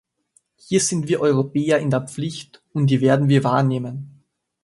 Hier sind wir Europäer in der Pflicht, und die werden wir wahrnehmen!